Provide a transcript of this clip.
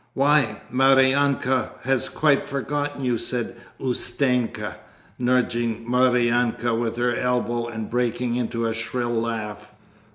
'Why, Maryanka has quite forgotten you,' said Ustenka, nudging Maryanka with her elbow and breaking into a shrill laugh.